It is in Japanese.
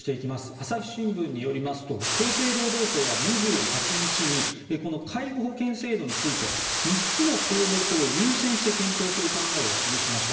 朝日新聞によりますと厚生労働省は２８日にこの介護保険制度について３つの項目を優先して検討する考えを示しました。